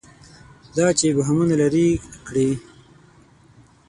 دا چې ابهامونه لري کړي.